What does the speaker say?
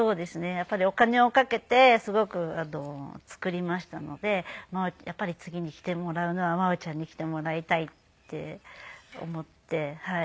やっぱりお金をかけてすごく作りましたので次に着てもらうのは真央ちゃんに着てもらいたいって思って。